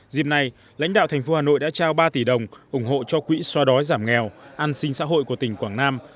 dịp này lãnh đạo thành phố hà nội đã trao ba tỷ đồng ủng hộ cho quỹ xoa đói giảm nghèo an sinh xã hội của tỉnh quảng nam